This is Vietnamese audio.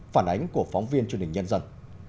phản ánh của phóng viên truyền hình nhân dân